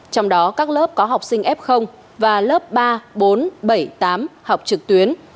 trong đó các lớp có học sinh f và lớp ba bốn bảy tám học trực tuyến